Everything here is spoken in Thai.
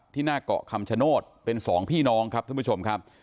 หน้าเกาะคำชโนธเป็นสองพี่น้องครับท่านผู้ชมครับ